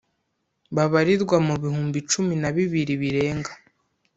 babarirwa mu bihumbi cumi na bibiri birenga